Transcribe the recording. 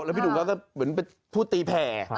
พี่หนุ่มเขาก็เหมือนเป็นผู้ตีแผ่